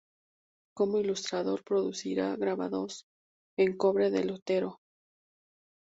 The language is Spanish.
Como ilustrador, producirá grabados en cobre de Lutero.